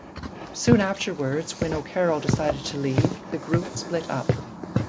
Soon afterwards, when O'Carroll decided to leave, the group split up.